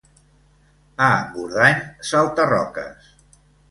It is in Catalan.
A Engordany, salta-roques.